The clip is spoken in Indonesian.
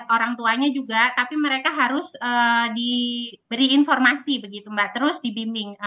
orang tuanya juga tapi mereka harus diberi informasi begitu mbak terus dibimbing